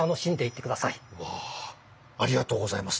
わあありがとうございます。